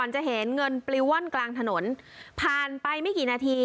จะเห็นเงินปลิวว่อนกลางถนนผ่านไปไม่กี่นาที